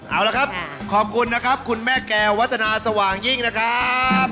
เอาละครับขอบคุณนะครับคุณแม่แก้ววัฒนาสว่างยิ่งนะครับ